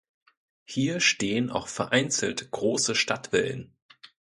Hier stehen auch vereinzelt große Stadtvillen.